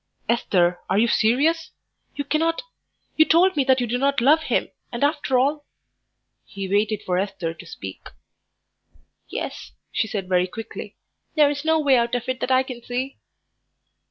"Esther, are you serious? You cannot... You told me that you did not love him, and after all " He waited for Esther to speak. "Yes," she said very quickly, "there is no way out of it that I can see."